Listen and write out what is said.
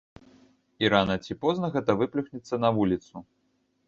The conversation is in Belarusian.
І рана ці позна гэта выплюхнецца на вуліцу.